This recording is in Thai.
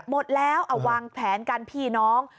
หมดแล้วเอาวางแผนกันพี่น้อง